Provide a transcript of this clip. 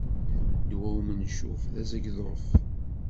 Ddwa umencuf, d azegḍuf.